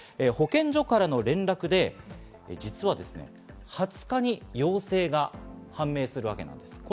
保健所からの連絡で実は２０日に陽性が判明するわけです。